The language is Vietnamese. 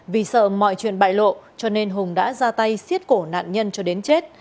vì sợ mọi chuyện bại lộ cho nên hùng đã ra tay xiết cổ nạn nhân cho đến chết